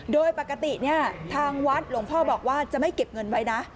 โดยปกติเนี่ยทางวัดหลวงพ่อบอกว่าจะไม่เก็บเงินไว้นะ